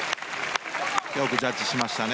よくジャッジしましたね